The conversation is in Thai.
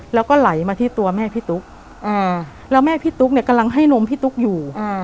แล้วก็ไหลมาที่ตัวแม่พี่ตุ๊กแล้วแม่พี่ตุ๊กเนี่ยกำลังให้นมพี่ตุ๊กอยู่